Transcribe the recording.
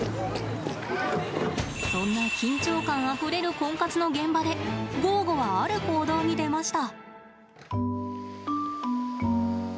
そんな緊張感あふれるコンカツの現場でゴーゴは、ある行動に出ました。